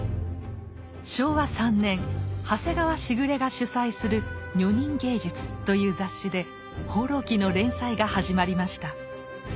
昭和３年長谷川時雨が主宰する「女人芸術」という雑誌で「放浪記」の連載が始まりました。